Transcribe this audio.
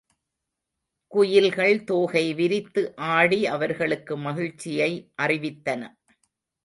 குயில்கள் தோகை விரித்து ஆடி அவர்களுக்கு மகிழ்ச்சியை அறிவித்தன.